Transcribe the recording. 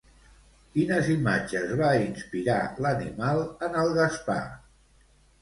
Quines imatges va inspirar l'animal en el Gaspar?